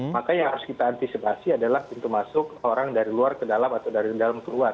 maka yang harus kita antisipasi adalah pintu masuk orang dari luar ke dalam atau dari dalam keluar